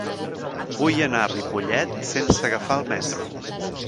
Vull anar a Ripollet sense agafar el metro.